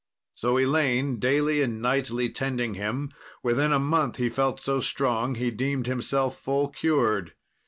So Elaine daily and nightly tending him, within a month he felt so strong he deemed himself full cured.